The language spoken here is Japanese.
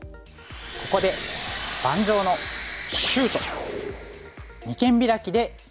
ここで盤上のシュート！